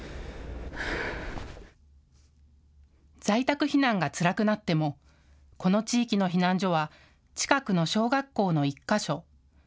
在宅避難がつらくなってもこの地域の避難所は近くの小学校の１か所。